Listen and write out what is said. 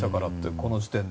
この時点で。